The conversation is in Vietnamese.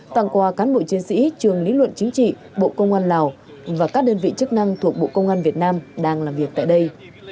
tặng quà cán bộ chiến sĩ trường lý luận chính trị bộ công an lào và các đơn vị chức năng thuộc bộ công an việt nam đang làm việc tại đây